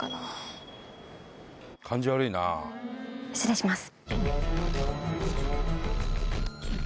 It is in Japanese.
失礼します。